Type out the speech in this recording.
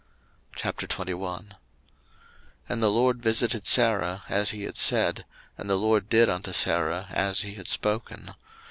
01:021:001 And the LORD visited Sarah as he had said, and the LORD did unto Sarah as he had spoken.